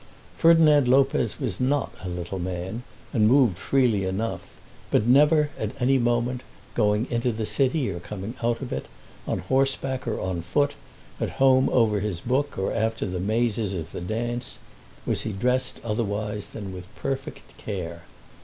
Ferdinand Lopez was not a little man, and moved freely enough; but never, at any moment, going into the city or coming out of it, on horseback or on foot, at home over his book or after the mazes of the dance, was he dressed otherwise than with perfect care.